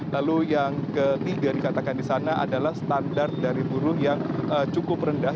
lalu yang ketiga dikatakan di sana adalah standar dari buruh yang cukup rendah